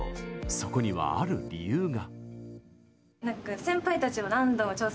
そこには、ある理由が。